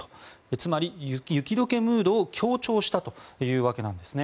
つまり雪解けムードを強調したというわけなんですね。